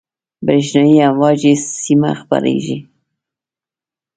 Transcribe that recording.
برېښنایي امواج بې سیمه خپرېږي.